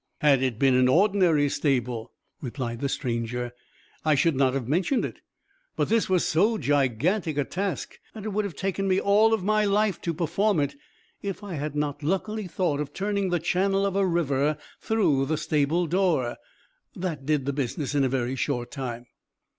"Had it been an ordinary stable," replied the stranger, "I should not have mentioned it. But this was so gigantic a task that it would have taken me all my life to perform it, if I had not luckily thought of turning the channel of a river through the stable door. That did the business in a very short time!"